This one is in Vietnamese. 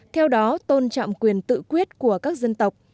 theo đó tôn trọng quyền tự quyết của các dân tộc